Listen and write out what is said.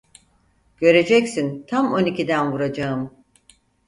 Göreceksin tam on ikiden vuracağım.